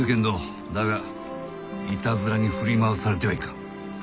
だがいたずらに振り回されてはいかん。